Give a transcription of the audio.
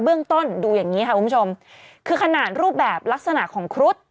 เบื้องต้นดูอย่างนี้ค่ะคุณผู้ชมคือขนาดรูปแบบลักษณะของครุฑ